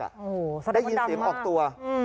โอ้โฮแสดงว่าดำมากได้ยินเสียงออกตัว